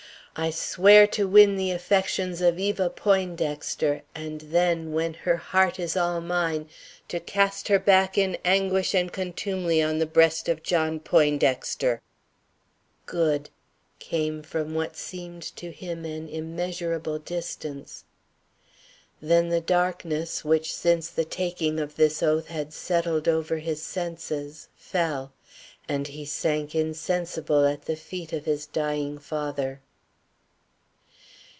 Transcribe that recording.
"I swear to win the affections of Eva Poindexter, and then, when her heart is all mine, to cast her back in anguish and contumely on the breast of John Poindexter." "Good!" came from what seemed to him an immeasurable distance. Then the darkness, which since the taking of this oath had settled over his senses, fell, and he sank insensible at the feet of his dying father.